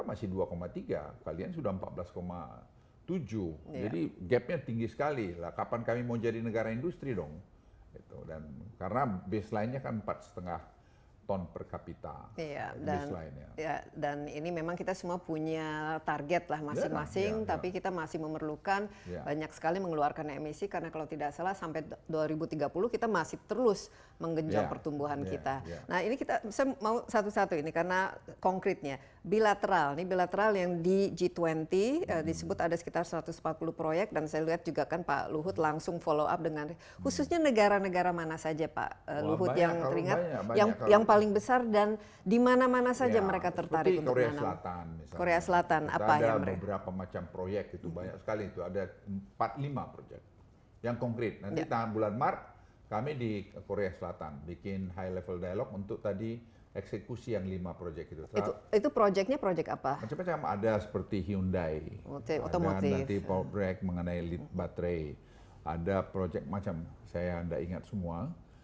macam macam ada seperti hyundai ada nanti power break mengenai lead battery ada projek macam saya nggak ingat semua